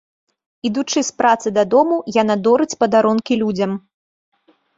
Ідучы з працы дадому, яна дарыць падарункі людзям.